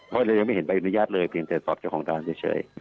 เพราะเรายังไม่เห็นใบอนุญาตเลยเพียงแต่สอบเจ้าของร้านเฉย